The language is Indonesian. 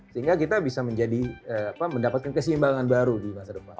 sehingga kita bisa menjadi mendapatkan keseimbangan baru di masa depan